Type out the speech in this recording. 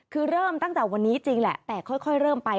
คือเริ่มตั้งแต่วันนี้จริงแหละแต่ค่อยเริ่มไป